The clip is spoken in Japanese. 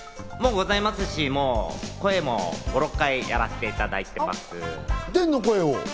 ございますし、天の声も５６回やらせていただいております。